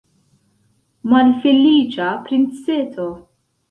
Malfeliĉa princeto!